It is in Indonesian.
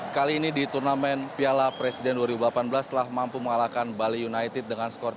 kali ini di turnamen piala presiden dua ribu delapan belas telah mampu mengalahkan bali united dengan skor tiga